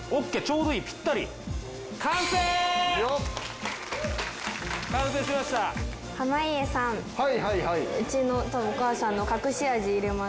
うちのお母さんの隠し味入れます。